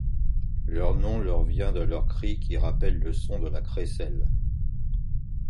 Leur nom leur vient de leur cri qui rappelle le son de la crécelle.